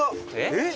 えっ！